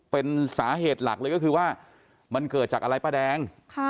เป็นสาเหตุหลักเลยก็คือว่ามันเกิดจากอะไรป้าแดง